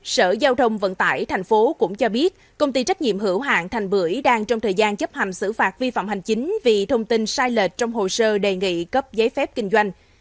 sở giao thông vận tải tp cũng cho biết công ty trách nhiệm hữu hạng thành bưởi đang trong thời gian chấp hành xử phạt vi phạm hành chính vì thông tin sai lệch trong hồ sơ đề nghị cấp giấy phép kinh doanh